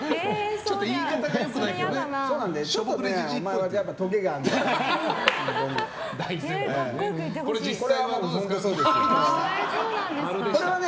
ちょっと言い方がよくないかもね。